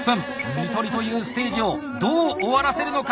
「看取り」というステージをどう終わらせるのか！